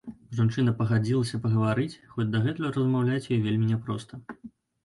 Жанчына пагадзілася пагаварыць, хоць дагэтуль размаўляць ёй вельмі няпроста.